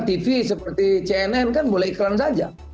tv seperti cnn kan boleh iklan saja